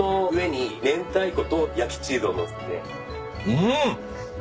うん。